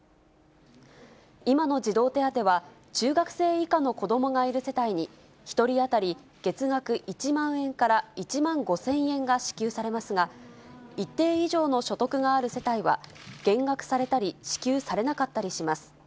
今の児童手当は、中学生以下の子どもがいる世帯に、１人当たり月額１万円から１万５０００円が支給されますが、一定以上の所得がある世帯は、減額されたり、支給されなかったりします。